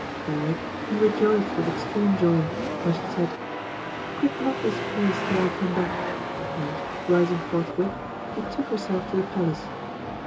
Thereat he rejoiced with extreme joy, when she said, "Quit not this place till I come back" and, rising forthwith, betook herself to her palace.